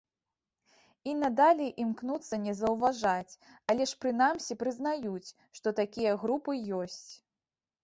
І надалей імкнуцца не заўважаць, але ж прынамсі прызнаюць, што такія групы ёсць.